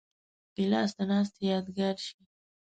ګیلاس د ناستې یادګار شي.